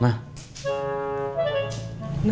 masalah mobil gimana ya